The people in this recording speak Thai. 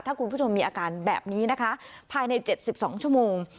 ถ้าคุณผู้ชมมีอาการแบบนี้นะคะภายใน๗๒ชั่วโมง